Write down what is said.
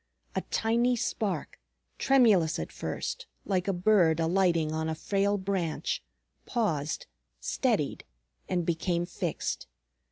A tiny spark, tremulous at first, like a bird alighting on a frail branch, paused, steadied, and became fixed.